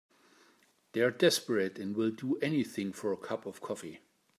They're desperate and will do anything for a cup of coffee.